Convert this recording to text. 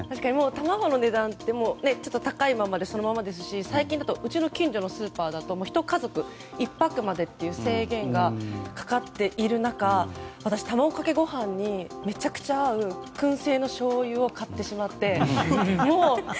卵の値段って高いままでそのままですし、最近だとうちの近所のスーパーだとひと家族、１パックまでという制限がかかっている中私、卵かけご飯にめちゃくちゃ合う燻製のしょうゆを買ってしまって。